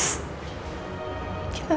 semua kenyataannya udah jelas